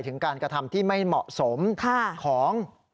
ถึงการกระทำที่ไม่เหมาะสมของ